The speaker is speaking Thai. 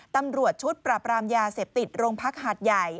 ตำรวจชุดปรับรามยาเสพติดโรงพักหาดใหญ่